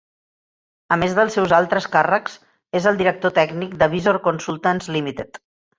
A més dels seus altres càrrecs, és el director tècnic de Visor Consultants Limited.